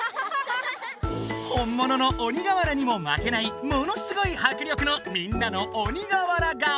本ものの鬼瓦にもまけないものすごいはくりょくのみんなの鬼瓦顔！